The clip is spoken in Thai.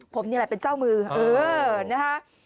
ผมนี่แหละเป็นเจ้ามือเออนะฮะ